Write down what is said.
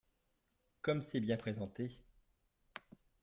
Comme c’est bien présenté